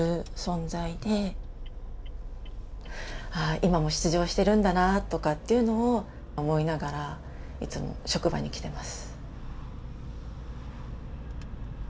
今も出場してるんだなとかっていうのを思いながらいつも職場に来てます。